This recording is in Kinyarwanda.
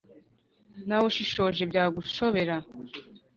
Nawe ushishoje byagushobera